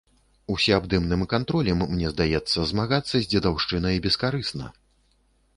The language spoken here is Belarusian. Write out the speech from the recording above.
Усёабдымным кантролем, мне здаецца, змагацца з дзедаўшчынай бескарысна.